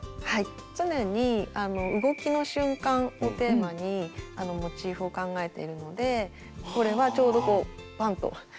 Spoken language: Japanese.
常に「動きの瞬間」をテーマにモチーフを考えているのでこれはちょうどこうパンと打ったところです。